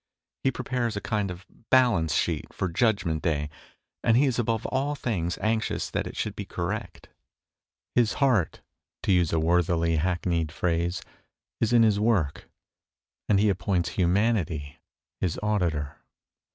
He prepares a kind of THE DECAY OF THE ESSAY 13 balance sheet for Judgment Day, and he is above all things anxious that it should be correct. His heart, to use a worthily hack neyed phrase, is in his work, and he ap points humanity his auditor.